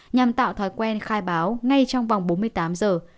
nhằm tạo thói quen khai báo ngay trong vòng bốn mươi tám giờ